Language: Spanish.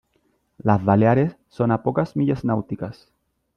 Las Baleares son a pocas millas náuticas.